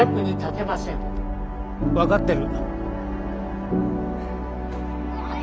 分かってる。